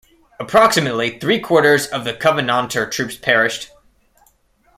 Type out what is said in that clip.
Approximately three-quarters of the Covenanter troops perished.